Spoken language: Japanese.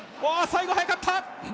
最後、速かった！